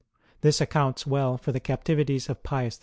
This accounts well for the captivities of Pius VI.